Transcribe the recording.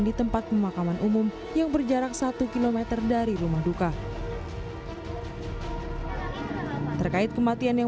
di tempat pemakaman umum yang berjarak satu km dari rumah duka terkait kematian yang